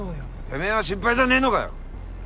てめぇは心配じゃねぇのかよ。